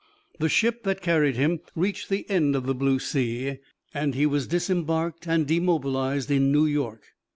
The ship that carried him reached the end of the blue sea; he was disembarked and demobilized in New York.